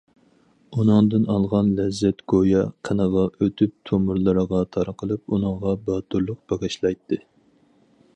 ئۇنىڭدىن ئالغان لەززەت گويا قېنىغا ئۆتۈپ، تومۇرلىرىغا تارقىلىپ، ئۇنىڭغا باتۇرلۇق بېغىشلايتتى.